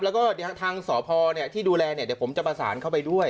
แล้วก็ทางสพที่ดูแลเดี๋ยวผมจะประสานเข้าไปด้วย